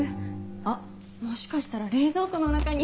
あっもしかしたら冷蔵庫の中に。